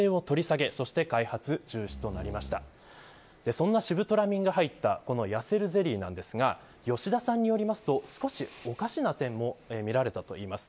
そんなシブトラミンが入ったやせるゼリーですが吉田さんによりますと少しおかしな点も見られたといいます。